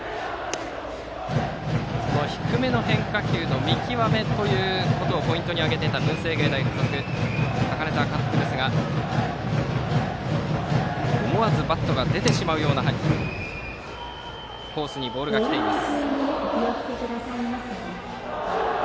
低めの変化球の見極めということをポイントに挙げていた文星芸大付属の高根澤監督ですが思わずバットが出てしまうようなコースにボールが来ています。